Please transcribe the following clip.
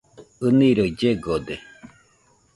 ɨniroi llegode.